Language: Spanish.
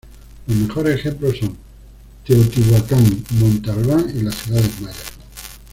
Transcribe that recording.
Los mejores ejemplos son Teotihuacan, Monte Albán y las ciudades mayas.